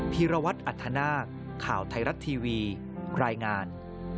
ีรวัตรอัธนาคข่าวไทยรัฐทีวีรายงาน